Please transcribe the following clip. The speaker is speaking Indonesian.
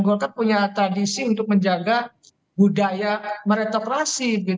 dan golkar punya tradisi untuk menjaga budaya meretokrasi